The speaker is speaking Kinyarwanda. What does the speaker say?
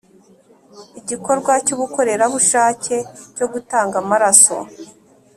igikorwa cy’ubukorerabushake cyo gutanga amaraso